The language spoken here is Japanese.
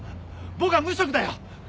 僕は無職だよ。